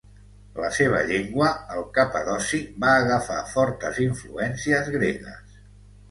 La seva llengua, el capadoci, va agafar fortes influències gregues.